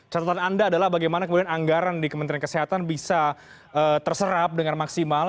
catatan anda adalah bagaimana kemudian anggaran di kementerian kesehatan bisa terserap dengan maksimal